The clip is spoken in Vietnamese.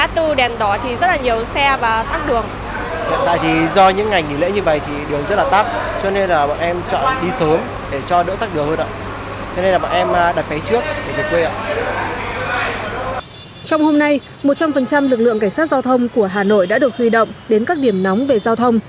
trong hôm nay một trăm linh lực lượng cảnh sát giao thông của hà nội đã được huy động đến các điểm nóng về giao thông